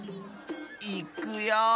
いくよ。